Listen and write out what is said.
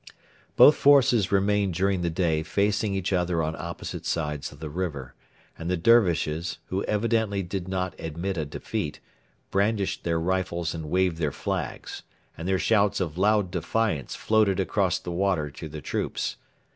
Both forces remained during the day facing each other on opposite sides of the river, and the Dervishes, who evidently did not admit a defeat, brandished their rifles and waved their flags, and their shouts of loud defiance floated across the water to the troops.